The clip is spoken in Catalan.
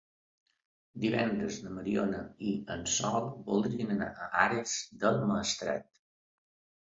Divendres na Mariona i en Sol voldrien anar a Ares del Maestrat.